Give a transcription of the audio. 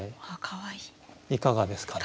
いかがですか？